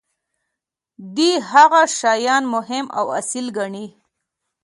دي هغه شیان مهم او اصیل ګڼي.